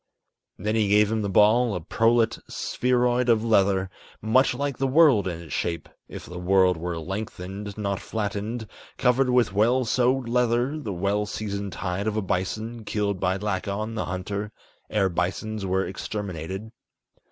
Then he gave him the ball, a prolate spheroid of leather, Much like the world in its shape, if the world were lengthened, not flattened, Covered with well sewed leather, the well seasoned hide of a bison, Killed by Lakon, the hunter, ere bisons were exterminated.